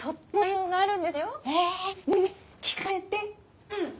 うん。